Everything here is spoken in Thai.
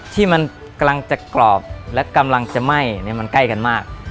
ที่มันกำลังจะกรอบและกำลังจะไหม้มันใกล้กันมาก